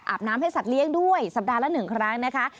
น้ำให้สัตว์เลี้ยงด้วยสัปดาห์ละ๑ครั้งนะคะ